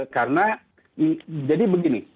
karena jadi begini